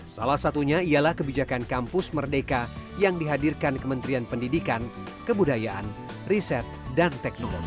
salah satunya ialah kebijakan kampus merdeka yang dihadirkan kementerian pendidikan kebudayaan riset dan teknologi